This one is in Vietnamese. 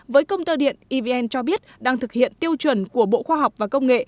với công tơ điện evn cho biết đang thực hiện tiêu chuẩn của bộ khoa học và công nghệ